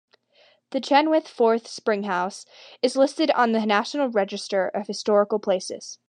The Chenoweth Fort-Springhouse is listed on the National Register of Historical Places.